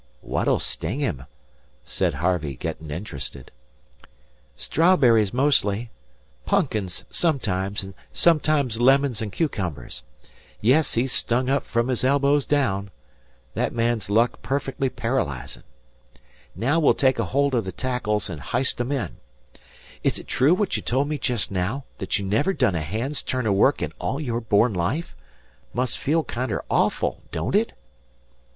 "What'll sting him?" said Harvey, getting interested. "Strawberries, mostly. Pumpkins, sometimes, an' sometimes lemons an' cucumbers. Yes, he's stung up from his elbows down. That man's luck's perfectly paralyzin'. Naow we'll take a holt o' the tackles an' hist 'em in. Is it true what you told me jest now, that you never done a hand's turn o' work in all your born life? Must feel kinder awful, don't it?"